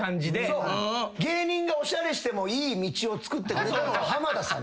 芸人がおしゃれしてもいい道をつくってくれたのは浜田さん。